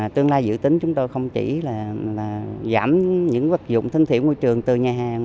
tương lai dự tính chúng tôi không chỉ là giảm những vật dụng thân thiện môi trường từ nhà hàng